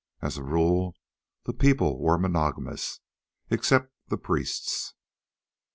As a rule the people were monogamous, except the priests.